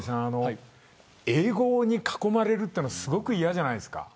英語に囲まれるのはすごく嫌じゃないですか。